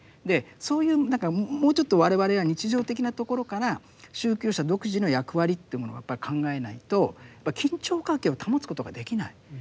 そういう何かもうちょっと我々は日常的なところから宗教者独自の役割というものをやっぱり考えないと緊張関係を保つことができない。